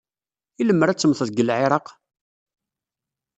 I lemmer ad temmteḍ deg Lɛiraq?